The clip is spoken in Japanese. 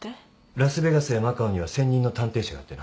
ラスベガスやマカオには専任の探偵社があってな。